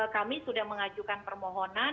kami sudah mengajukan permohonan